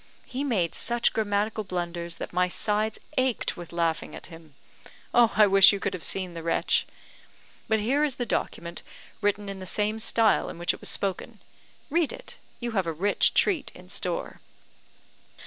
He made such grammatical blunders, that my sides ached with laughing at him. Oh, I wish you could have seen the wretch! But here is the document, written in the same style in which it was spoken. Read it; you have a rich treat in store."